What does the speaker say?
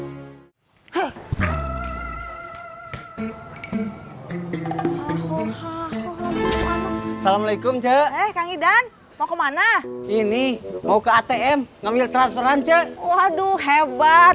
assalamualaikum cewek eh kang idan mau kemana ini mau ke atm ngambil transferance waduh hebat